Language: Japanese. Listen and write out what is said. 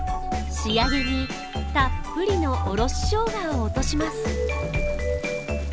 仕上げにたっぷりのおろしショウガを落とします。